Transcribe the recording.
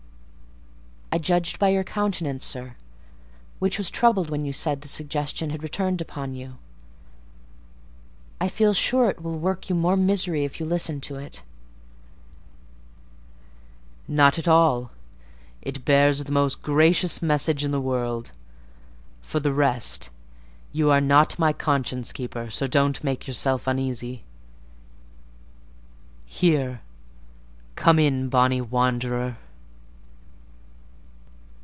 "I judged by your countenance, sir, which was troubled when you said the suggestion had returned upon you. I feel sure it will work you more misery if you listen to it." "Not at all—it bears the most gracious message in the world: for the rest, you are not my conscience keeper, so don't make yourself uneasy. Here, come in, bonny wanderer!"